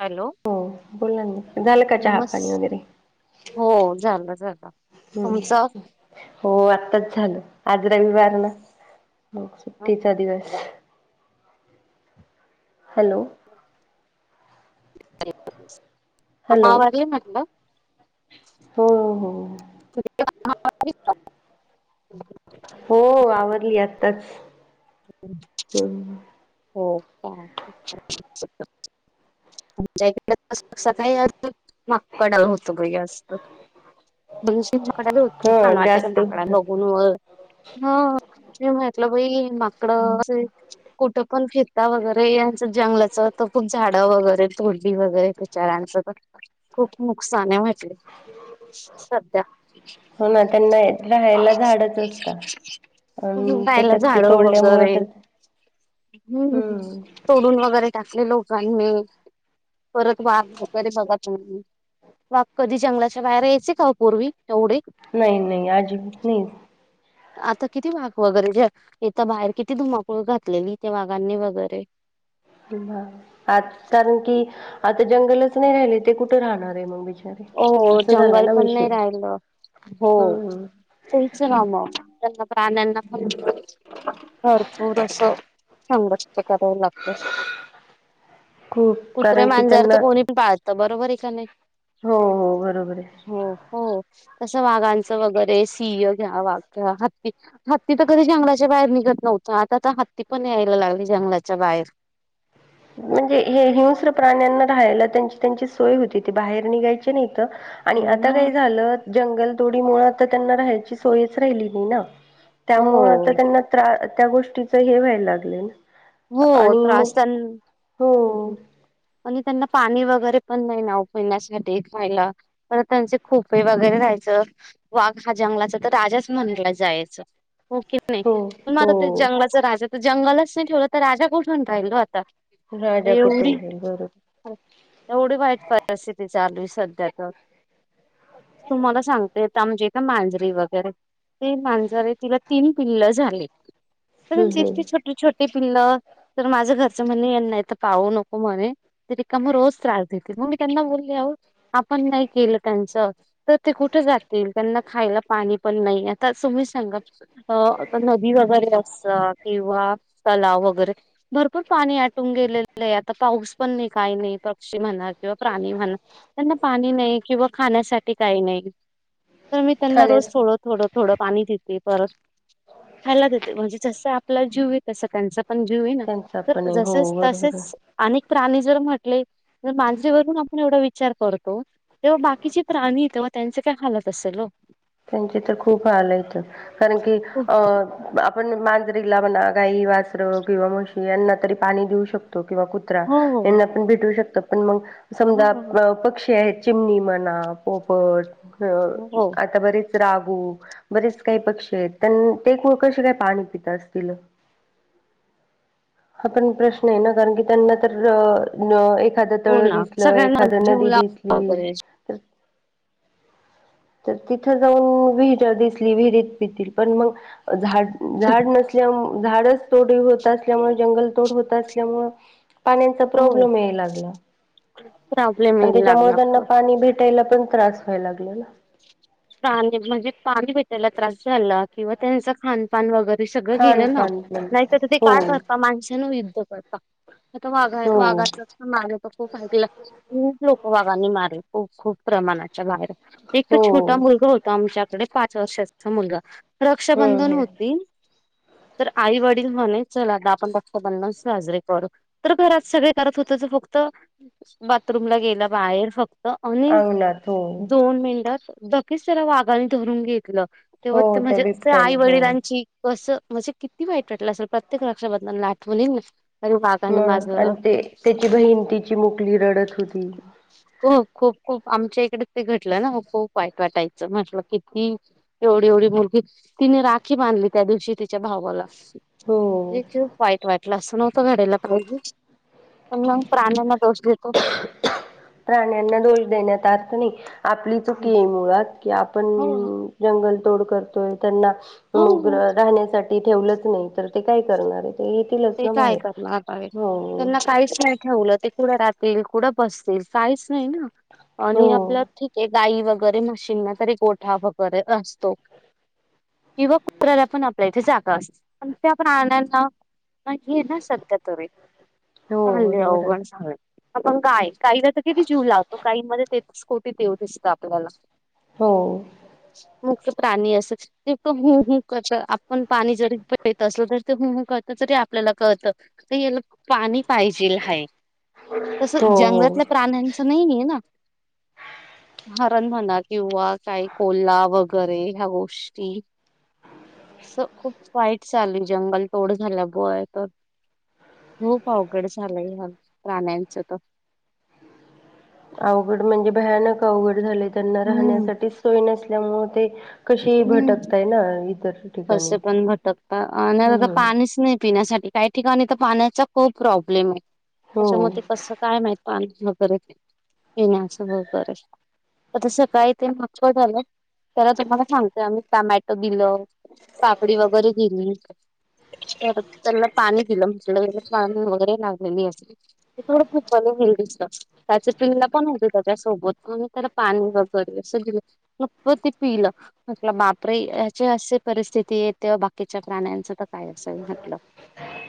Hello. हो बोलला ना? झालं का? नमस् चहापाणी वगैरे! ! हो झालं! झालं! हम्म तुमचं! ! हो आत्ताच झालं! आज रविवार ना? मग सुट्टीचा दिवस हाय! ! हॅलो. हॅलो [unintelligible] हो हो. [unintelligible] हो आवरली आत्ताच. हम्म हो का? [unintelligible] [unintelligible] कडा खूप हा छान वाटतय त्या जास्त माकडा हो बघून व ह म्हहितलं बाई माकड इड [unintelligible] कुठं पण फिरता वगैरे यांच जंगलाच तर खूप झाडं वगैरे थोडडी वगैरे विचारांच खूप नुकसान वाटले सध्या. हो ना त्यांना राहायला झाडच असत. राहायल झाड तोडल्यामुळे वगैरे तर हम्म. हम्म तोडून वगैरे टाकले लोकांनी परत बाग वगैरे बघत. वाघ कधी जंगलाच्या बाहेर यायचे का पूर्वी तेवढे? नाही नाही अजीबात नाही. आता किती वाघ वगैरे जे येता बाहेर किती धुमाकूळ घातलेली त्या वाघांनी वगैरे. आज कारण की आता जंगलच नाही राहिले ते कुठे राहणार आहे मग बिचारे हो असं झालं जंगल ना पण नाही विषय राहिलं हो. हम्म तेच ना म त्यांना प्राण्यांना पण भरपूर असं संघर्ष कराव लागत. खूप कुत्रे कारण की मांजवर त्यांना तर कोणी पण पाळतं बरोबर आहे का नाही. हो हो बरोबर आहे. हो हो तस वाघांचं वगैरे सिंह किंवा वाघ, हत्ति हत्ती तर कधी जंगलाच्या बाहेर निघत नव्हतं आता आता हत्ती पण यायला लागली जंगलाच्या बाहेर. म्हणजे हे हिंस्र प्राण्यांना राहायला त्यांची त्यांची सोय होती ती बाहेर निघायची नाही त. आणि आता ह काय झालं जंगल तोडी मुळ आता त्यांना राहायची सोयच राहिली नाही ना. हो त्यामुळे आता त्यांना त त्या गोष्टीच हे व्हायला लागले ना. हो आणि मग त्रास तेन हो. आणि त्यांना पाणी वगैरे पण नाही ना उपण्यासाठी महिला पर त्यांचे खोपे वगैरे राहायचं. वाघ हा जंगलाचा तर राजाच म्हणला जायचं हो की नाही हो मझ ते हो जंगलाचा राजा तर जंगलाच नाही ठेवला तर राजा कुठून राहिलो आता! राजा एवढी कुटुंब बरोबर एवढी वाईट परिस्थिती चालू आहे सध्या तर तुम्हाला सांगते य म्हणजे का मांजरी वगैरे. ते मांजारे तिला तीन पिल्ल झाले तर हम्म हम्म छोटे छोटे पिल्लं तर माझं घरचं म्हणणे यांना इथ पाहू नको म्हणे तरी का म रोज त्रास देतील मग मी त्यांना बोलले आह आपण नाही केलं त्यांचं तर ते कुठे जातील त्यांना खायला पाणी पण नाही आता तुम्ही सांगा आता नदी वगैरे असत किंवा तलाव वगैरे. भरपूर पाणी आटून गेलेलं आहे आता पाऊस पण नाही काही नाही पक्षी म्हणा किंवा प्राणी म्हणा त्यांना पाणी नाही किंवा खाण्यासाठी काही नाही तर मी त्यांना रोज ठाण्यास थोडं-थोडं-थोडं पाणी देते परत खायला देते म्हणजे जस आपला जीव आहे तसं त्यांच पण जीव है ना त्यांचा तर पण आहे हो जसेच, बरोबर आहे. तसेच अनेक प्राणी जर म्हटले जर मांजरीवरून आपण एवढा विचार करतो, तेव्हा बाकीचे प्राणी तेव्हा त्यांचे काय हालत असेल हो, त्यांचे तर खूप हाल आहेतं कारण की अं आपण मांजरीला म्हणा, गाई -वासरं किंवा म्हशी यांना तरी पाणी देऊ शकतो किंवा कु त्रा हो हो यांना पण भेटू शकतं पण मग समजा हो पक्षी आहेत चिमणी म्हणा पोपट हो आता बरेच रागू, बरेच काही पक्षी आहेत त्यां ते कसे काय पाणी पित असतील? [inaudible] हा पण प्रश्न आहे ना, कारण की त्यांना तर न एखादं हो तळ ना दिसलं, सगळ्यांना एखाद जीव नदी लाव दिसली, तर तर तिथं जाऊन विहरं दिसली विहिरीत पितील पण मग झाड झाड नसल्यामु झाडच तोडी होत असल्यामुळे, जंगल तोड होत असल्यामुळं. पाण्याचा हो प्रॉब्लेम ये लागला प्रॉब्लेम आणि येईल त्याच्यामुळे लागला त्यांना पाणी भेट प्यायला पण त्रास व्हाय लागला ना, प्राणी म्हणजे पाणी भेटायला त्रास झाला किंवा त्यांच खा पान वगैरे सगळं गेलं ना, खानपान पण नाहीतर ते हो काय करता माणसान युद्ध करता आता वाघा हो वाघाच मारलं तर खूप ऐकलं खूप लोक वागानी मारलं खूप, खूप प्रमाणाच्या बाहेर एक तर छोट हो होतं आमच्याकडे पाच वर्षाचा मुलगा हम्म रक्षाबंधन हम्म होती, तर आई वडील म्हणे चल आता आपण रक्त बंधन साजरे करू, तर घरात सगळे करत होतं ज फक्त बाथरूमला गेलं बाहेर फक्त अनिल अंगणात हो दोन मिनटांत लकीच त्याला वाघाने धरून घेतलं, तेव्हा हो ते त्या म्हणजे अस आई बिबट्याने हो वडिलांची कसं म्हणजे किती वाईट वाटलं असल, प्रत्येक रक्षाबंधन आठवून येईल ना. अरे वाघानी मग माझं आणि ते त्याची बहीण ती चिमुकली रडत होती. हो खूप, खूप आमच्या इकडे ते घटलं ना खूप वाईट वाटायचं म्हटलं किती, एवढी- एवढी मुलगी तिने राखी बांधली त्या दिवशी तिच्या भावाला हो [unintelligible] वाईट वाटलं असं नव्हतं घडायला पाहिजे, पण मग प्राण्यांना दोष देतो. प्राण्यांना दोष देण्यात आर्थ नाही, आपली चुकी आहे मुळात कि आपण हो जंगल तोड करतोय त्यांना हो हो. मुगृ राहण्यासाठी ठेवलंच नाही तर ते काय करणार आहेत हे ही ते येतीलच ते ना काय बाहेर करणार [unintelligible] हो त्यांना काहीच नाही ठेवलं ते कुठं राहतील, कुठं बसतील काहीच नाही ना हो आणि आपल्या ठीक ये गाई वगैरे म्हशीना तरी गोठा वगैरे असतो, किंवा कुत्र्याला पण आपल्या इथे जागा असती पण त्या प्राण्यांना नाही हे ना सध्या तरी हो चालले बरोबर आहे अवघण सगळं. आपण गाय गायीला तर किती जीव लावतो काही मध्ये तेहतीस् कोटी देव दिसतं आपल्याला, हो. मुक्त प्राणी असं, ते पण हू हू करतं, आपण पाणी जरी पीत असलं तर ते हु हू कर तच ते आपल्याला कळत याला पाणी पाहिजेल हाय. हो तसं हो जंगलातल्या प्राण्यांचं नाहीये ना. हरण म्हणा किंवा काय कोल्हा वगैरे ह्या गोष्टी अस खूप वाईट चालू आय जंगल तोड. झाला बोळ येतात खूप अवघड झालंय ह्या प्राण्यांच तर. अवघड म्हणजे भयानक अवघड झालय त्यांना हम्म राहण्यासाठी सोय नसल्यामुळे ते कशी हम्म, भटकताय ना इतर ठिकाणी कसे पण भटकता आणि आता हम्म पाणीच नाय. पिण्यासाठी काही ठिकाणी तर पाण्याचा खूप प्रॉब्लेम आय हो त्याच्यामूळ ते कस काय म्हायत पाणीच न करेक्ट येण्याचं वगैरे. आता सकाळी ते [unintelligible] झालं त्याला तुम्हाला सांगतोय आम्ही टमॅटो दिल पापडी वगैरे दिली. तेवढ त्यांनला पाणी दिलं म्हटलं पाणी वगैरे लागलेली असेल. ते थोडं फनी विल दिसतं. त्याचे पिल्ल पण होते त्याच्यासोबत म मी त्याला पाणी वगैरे अस दिल. नुकत ते पिल. म्हटलं बापरे याची असे परिस्थिती येत बाकीच्या प्राण्यांच तर काय असंल म्हटलं.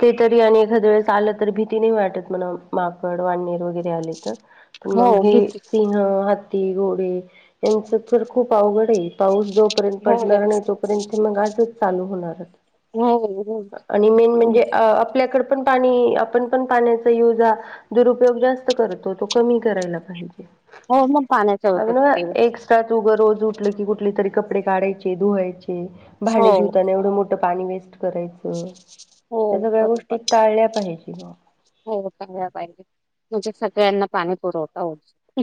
ते तरी आणि एखाद्या वेळेस आलं तरी भीती नाय वाटत म्हण माकड, वाननेर वगैरे ते आलीत हो मग हे घेत सिंह, हा ती, घोडे यांच तर खूप अवघड ए. पाऊस जोपर्यंत हो पडणार नाय तोपर्यंत ते मग आजच चालू होणार आता. हो हो आणि मेन म्हणजे आपल्याकड पण पाणी आपण पण पाण्याचा युज दुरुपयोग जास्त करतो तो कमी करायला पाहिजे. हो मग पाण्याच्या होत [unintelligible] तो गं रोज उठल की कुठली तरी कपडे काढायची धुवायचे हो भांडी धुताना एवढं मो ठं- पाणी वेस्ट करायचं हो त्या सगळ्या गोष्टी बरोबर टाळल्या पाहिजे ग. हो टाळल्या पाहिजे म्हणजे सगळ्यांना पाणी पुरवठा होऊ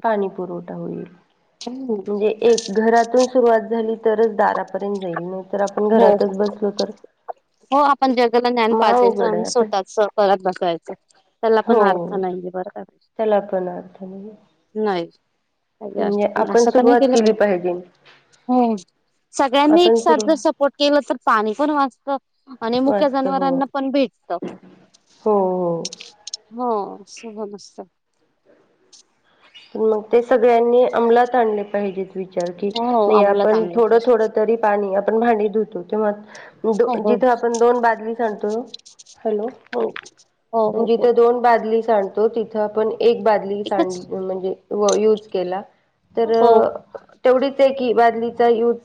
पाणी पुरवठा होईल म्हणजे एक घरातून सुरुवात झाली तरच दारा पर्यंत जाईल नाय तर आपण हो घरातच बसलो तर हो आपण जगाला ज्ञान म पाजायचं अवघड आणि आहे आपण स्वतःच परत करत बसायचं. त्याला पण अर्थ हो नाहीये बरोर त्याला पण अर्थ नाही. नाय. म्हणजे आपण असं तर नाय सुरुवात केलं केली पाहिजे हो. सगळ्यांनी एक आपण सुरू सारखं सपोर्ट केलं तर पाणी पण वाचत. आणि मुख्या वाचत हो. जनावरांना पण भेटतं. हो हो. म आस पण असतं. म्हणून ते सगळ्यांनी अंमलात आणले पाहिजेत. विचार की हो नाई अंमलात आपण आणलं थोडं ते थोड तरी पाणी आपण भांडी धुतो तेव्हा दो हो हो जिथं आपण दोन बादली साडतो हॅलो हो हो अन् हो जिथे बोला दोन बादली सांडतो तिथ आपण एक बादली सांड एकच म्हणजे यूज केला तर हो तेवढीच ए की बादलीचा यूज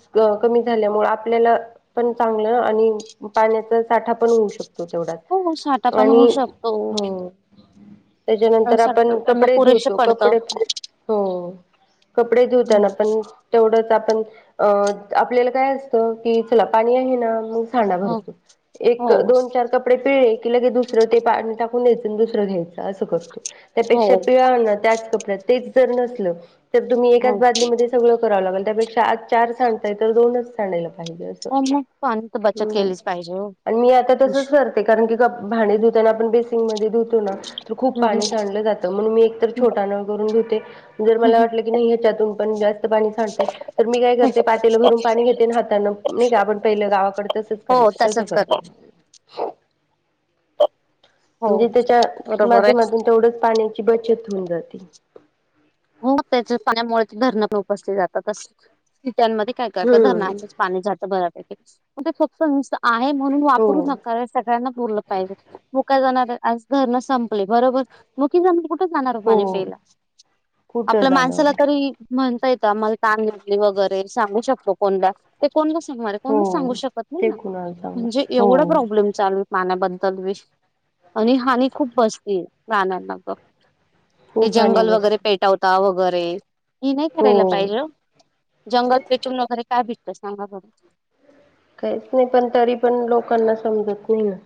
कमी झाल्यामुळ आपल्याला पण चांगलं आणि पाण्याच साठा पण होऊ शकतो तेवढाच. हो हो साठा पण होऊ आणि शकतो त्याज्यानंतर आपण त्यांना कपडे पुरेसे धुतो पडतं. कपडे हो कपडे धुवताना पण तेवढंच आपण अ आपल्याला काय असतं कि चला पाणी आहे ना म थंडा हो भरपूर हो एक दोन चार कप कपडे पिळले की लगेच दुसरं ते पाणी टाकून द्यायंच आणि दुसरं घ्यायचं असं करतो हो त्यापेक्षा पिळा ना त्याच कपड्यात ते जर नसल तर तुम्ही एकाच हो बादली मध्ये सगळ करावं लागेल त्यापेक्षा आज चार सांडताय तर दोनच सांडायला पाहिजे. हो मग पाणी तर बचत असं केलीच पाहिजे हो. आणि मी आता तसंच करते कारण की ग भांडे धुताना आपण बेसिंगमध्ये धुतो ना तर खूप हम्म पाणी हम्म सांडलं जात मग मी एक तर छोटा नळ करून धुते जर हम्म मला हम्म वाटलं की नाही ह्याच्यातून पण जास्त पाणी सांडते तर मी काय करते पातेल भरून पाणी घेते हातांन नाही का आपण पहिलं गावाकडे तसंच हो करायचं तसं तसच कर करते. हो. [unintelligible] हो. म्हणजे त्याच्या बरोबर आहे माध्यमातून तेवढंच पाण्याची बचत होऊन जाते. हो त्याच्या पाण्यामुळे ते धरणं उपसले जातात अस किचनमध्ये काय करता हम्म धरणाचे पाणी जात बऱ्यापैकी ते फक्त निस्त आहे म्हणून हो वापरू नका. सगळ्यांना पूरल पाहिजे मुक्या जनावर आज धरण संपली बरोबर मुकी जनावर कुठं जाणार पाणी हो प्यायला कुठं आपल्या माणसाला जाणार तरी म्हणता येतं आम्हाला तहाण लागली वगैरे सांगू शकतो कोणला ते कोणला सांगणारे हो कोणलाच सांगू शकत नाही ते ना कुणाला म्हणजे सांगणार हो एवढा प्रॉब्लेम चालू पाण्याबद्दल विश आणि हानी खूप बसतीये प्राण्यांना तर ते खूप हानी जंगल वगैरे बसते पेटावता वगैरे ही नाही करायला हो पाहिजे ओ जंगल पेटवून वगैरे काय भेटतं सांगा बरं काहीच नाही पण तरी पण लोकांना समजत नाही ना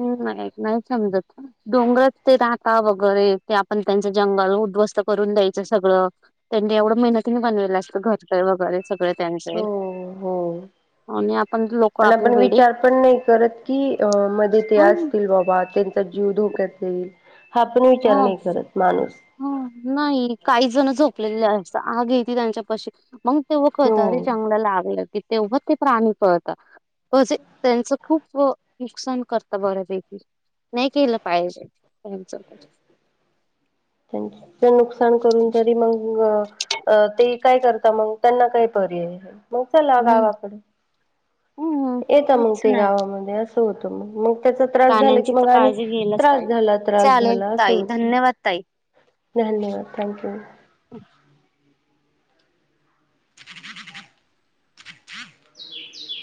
हो ना नाही नाही समजत नाही. डोंगर ते राहता वगैरे ते आपण त्यांचं जंगल उद्ध्वस्त करून द्यायचं सगळं त्यांनी एवढं मेहनतीने बनवेलं असतं घरं वगैरे सगळे त्यांच ये हो हो आणि आपण लोक आणि आपले वेडे विचार आपण नाही करत की अ मध्ये ते हं असतील बाबा त्यांचा जीव धोक्यात येईल. हा आपण विचार नाही करत माणूस हा नाही काही जण झोपलेली असता आग येती त्यांच्या पाशी मग तेव्हा कळतं हो अरे जंगलाला आग लागली की तेव्हा ते प्राणी पळता. म्हजे त्यांचं खूप नुकसान करता बऱ्यापैकी नाही केलं पाहिजे त्यांच तर त्यांच नुकसान करून तरी मग अ ते काय करता मग त्यांना काय पर्याय ये मग चला हम्म गावाकडे हो येता मग तेच ते ना गावामध्ये असं होतं मग मग त्याचा त्रास झाला की प्राण्यांची तर मग आणि काळजी घ्यायलाच त्रास झाला पाहिजे त्रास चालेल झाला अस ताई होत. धन्यवाद ताई धन्यवाद थँक्यू. [unintelligible] [inaudible]